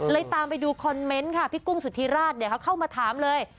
ตามไปดูคอมเมนต์ค่ะพี่กุ้งสุธิราชเขาเข้ามาถามเลย